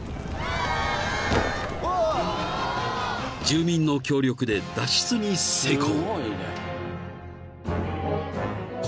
［住民の協力で脱出に成功］